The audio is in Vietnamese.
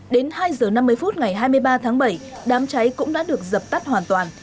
đến hai h năm mươi phút ngày hai mươi ba tháng bảy đám cháy cũng đã được dập tắt hoàn toàn